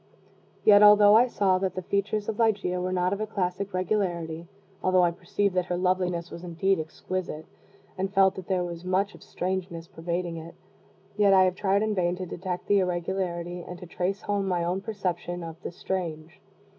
Yet, although I saw that the features of Ligeia were not of a classic regularity although I perceived that her loveliness was indeed "exquisite," and felt that there was much of "strangeness" pervading it, yet I have tried in vain to detect the irregularity and to trace home my own perception of "the strange."